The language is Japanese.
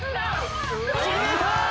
決めた！